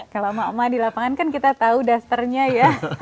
kalau mak mak di lapangan kan kita tahu dasternya ya